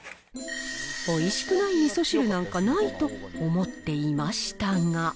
おいしくないみそ汁なんかないと思っていましたが。